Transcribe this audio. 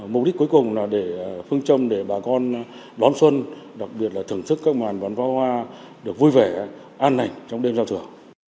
mục đích cuối cùng là để phương châm để bà con đón xuân đặc biệt là thưởng thức các màn bắn phá hoa được vui vẻ an hành trong đêm giao thừa